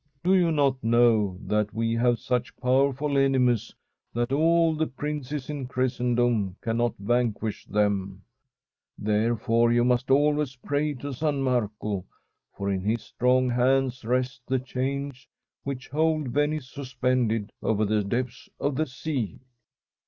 Do you not know that we have such powerful enemies, that all the princes in Christendom cannot vanquish them ? Therefore you must always pray to San Marco, for in his strong hands rests the chains which hold Venice suspended over the depths of the sea.'